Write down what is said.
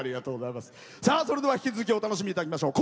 それでは引き続きお楽しみいただきましょう。